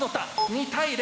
２対０。